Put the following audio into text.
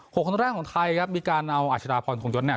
คนแรกของไทยครับมีการเอาอัชดาพรคงยศเนี่ย